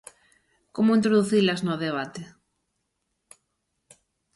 Como introducilas no debate?